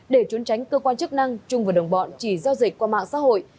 để trốn tránh cơ quan chức năng trung và đồng bọn chỉ giao dịch qua mạng xã hội